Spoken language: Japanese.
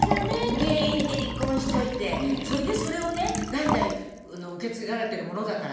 原因で離婚しといてそれでそれをね「代々受け継がれてるものだから」。